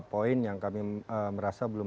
poin yang kami merasa belum